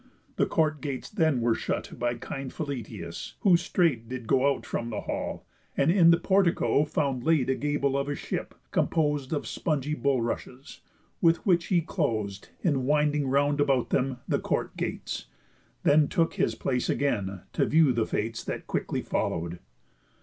The court gates then were shut By kind Philœtius, who straight did go From out the hall, and in the portico Found laid a gable of a ship, compos'd Of spongy bulrushes; with which he clos'd, In winding round about them, the court gates, Then took his place again, to view the fates That quickly follow'd.